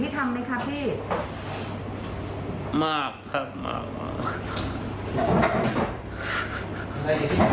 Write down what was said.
เสียใจกับสิ่งที่ทำไหมคะพี่